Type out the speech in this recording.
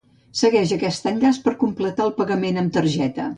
Segueixi aquest enllaç per completar el pagament amb targeta.